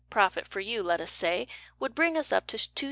profit for you, let us say, Would bring us up to 2s.